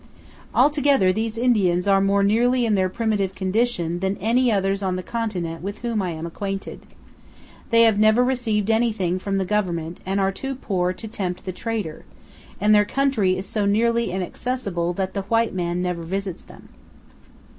Altogether, these Indians are more nearly in their primitive condition than any others on the continent with whom I am acquainted. They have never received anything from the government and are too poor to tempt the trader, and their country is so nearly inaccessible that the white man never visits them.